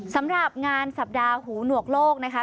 สำหรับงานสัปดาห์หูหนวกโลกนะคะ